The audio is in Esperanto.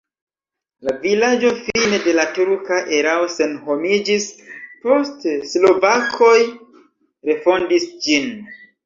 La vilaĝo fine de la turka erao senhomiĝis, poste slovakoj refondis ĝin.